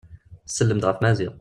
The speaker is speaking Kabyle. Tsellem-d ɣef Maziɣ.